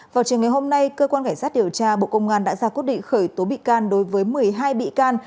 vào trường ngày hôm nay cơ quan điều tra bộ công an đã ra quốc định khởi tố bị can đối với một mươi hai bị can